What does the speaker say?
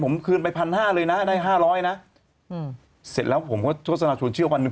ผมคืนไปพันห้าเลยนะได้๕๐๐นะเสร็จแล้วผมก็โฆษณาชวนเชื่อวันหนึ่ง